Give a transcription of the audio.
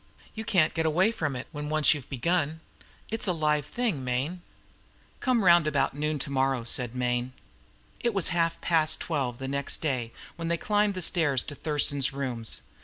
You can't get away from it when you once begin it's a live thing, Mayne." "Come round about noon to morrow," said Mayne. It was half past twelve next day when they climbed the stairs to Thurston's rooms.